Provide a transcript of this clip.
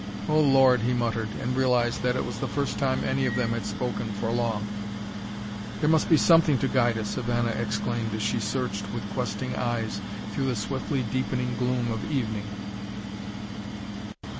"Oh Lord!" he muttered, and realized that it was the first time any of them had spoken for long. "There must be something to guide us!" Ivana exclaimed as she searched with questing eyes through the swiftly deepening gloom of evening.